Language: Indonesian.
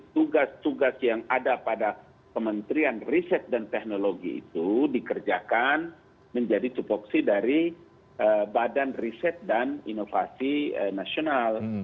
tugas tugas yang ada pada kementerian riset dan teknologi itu dikerjakan menjadi tupoksi dari badan riset dan inovasi nasional